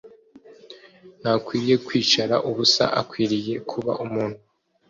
Ntakwiriye kwicara ubusa akwiriye kuba umuntu